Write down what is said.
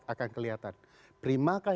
akan kelihatan prima kah